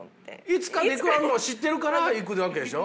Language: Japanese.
いつか陸あるのを知ってるから行くわけでしょ。